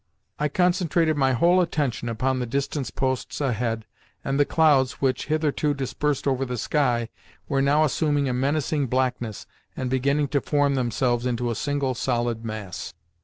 I concentrated my whole attention upon the distance posts ahead and the clouds which, hitherto dispersed over the sky, were now assuming a menacing blackness, and beginning to form themselves into a single solid mass.